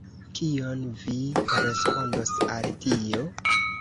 Kion vi respondos al tio?